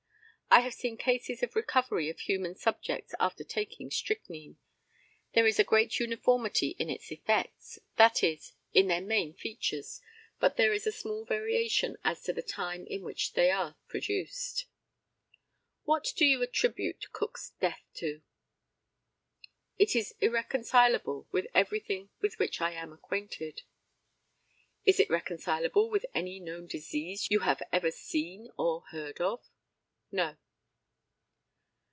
I have seen cases of recovery of human subjects after taking strychnine. There is a great uniformity in its effects; that is, in their main features, but there is a small variation as to the time in which they are produced. What do you attribute Cook's death to? It is irreconcilable with everything with which I am acquainted. Is it reconcileable with any known disease you have ever seen or heard of? No.